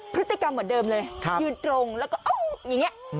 พฤติกรรมเหมือนเดิมเลยยืนตรงแล้วก็เอ้าอย่างนี้